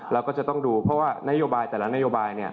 เราก็จะต้องดูเพราะว่านโยบายแต่ละนโยบาย